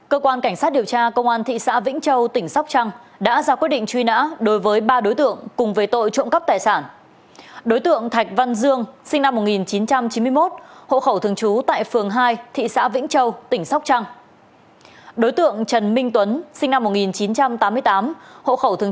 các đối tượng đứng ra tổ chức đá gà là hà văn tùng sinh năm một nghìn chín trăm chín mươi bốn ở thị trấn triệu sơn